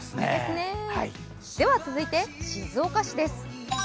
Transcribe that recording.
続いて、静岡市です。